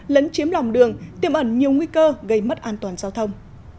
lấn chiếm lòng đường tiêm ẩn nhiều nguy cơ gây mất an toàn giao thông